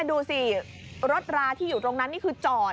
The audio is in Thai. ดูสิรถราที่อยู่ตรงนั้นนี่คือจอด